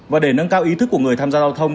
và để nâng cao ý thức của người tham gia giao thông